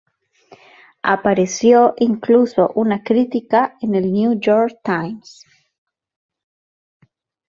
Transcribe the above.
Apareció incluso una crítica en el "New York Times".